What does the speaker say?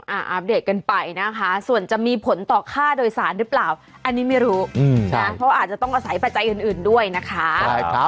อัปเดตกันไปนะคะส่วนจะมีผลต่อค่าโดยสารหรือเปล่าอันนี้ไม่รู้นะเพราะอาจจะต้องอาศัยปัจจัยอื่นด้วยนะคะ